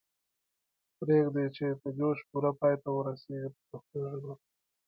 پریږدئ چې یې په جوش پوره پای ته ورسیږي په پښتو ژبه.